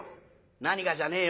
何がじゃねえよ。